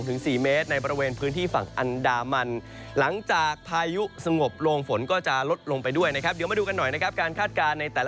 ถึง๔เมตรในบริเวณพื้นที่ฝั่งอันดามันหลังจากพายุสงบลงฝนก็จะลดลงไปด้วยนะครับเดี๋ยวมาดูกันหน่อยนะครับการคาดการณ์ในแต่ละ